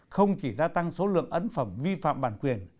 không chỉ gia tăng số lượng ấn phẩm vi phạm bản quyền